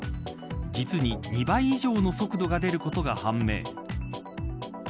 実に２倍以上の速度が出ることが判明。